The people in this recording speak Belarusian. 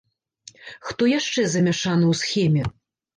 Хто яшчэ замяшаны ў схеме?